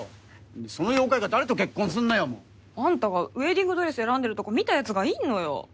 その妖怪が誰と結婚すんのよ！あんたがウエディングドレス選んでるとこ見たやつがいんのよ。